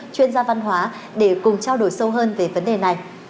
chuyên gia văn hóa để cùng trao đổi sâu hơn về vấn đề này